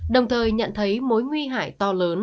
đồng thời nhận thấy mối nguy hại to lớn